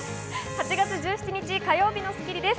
８月１７日、火曜日の『スッキリ』です。